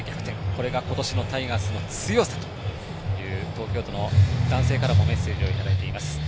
これが今年のタイガースの強さという東京都の男性からもメッセージをいただいています。